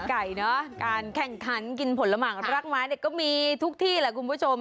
ไก่เนอะการแข่งขันกินผลหมากรักไม้เนี่ยก็มีทุกที่แหละคุณผู้ชม